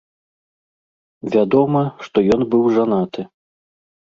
Вядома, што ён быў жанаты.